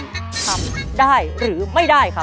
ทำได้หรือไม่ได้ครับ